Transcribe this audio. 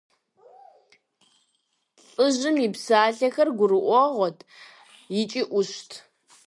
ЛӀыжьым и псалъэхэр гурыӀуэгъуэт икӀи Ӏущт.